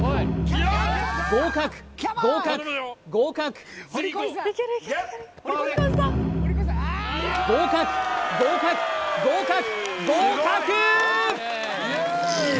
合格合格合格合格合格合格合格